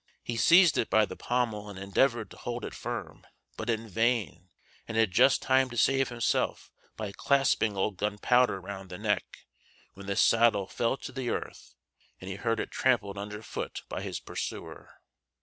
He seized it by the pommel and endeavored to hold it firm, but in vain, and had just time to save himself by clasping old Gunpowder round the neck, when the saddle fell to the earth, and he heard it trampled under foot by his pursuer.